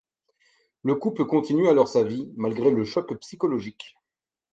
Le couple continue alors sa vie, malgré le choc psychologique.